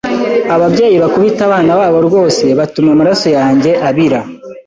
Ababyeyi bakubita abana babo rwose batuma amaraso yanjye abira.